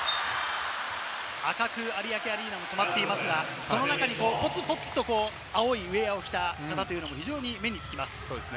赤く有明アリーナは染まっていますが、その中にポツポツと青いウエアを着た方も目につきます。